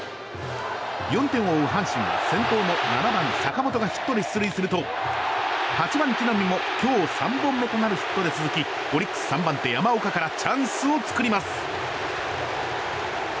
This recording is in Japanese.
４点を追う阪神は先頭の７番、坂本がヒットで出塁すると８番、木浪も今日３本目となるヒットで続きオリックス３番手山岡からチャンスを作ります。